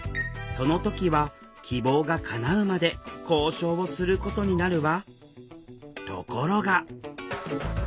その時は希望がかなうまで交渉をすることになるわ。